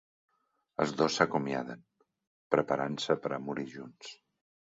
Els dos s'acomiaden, preparant-se per a morir junts.